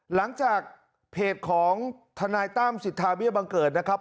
หลังจากเพจของทนายตั้มสิทธาเบี้ยบังเกิดนะครับ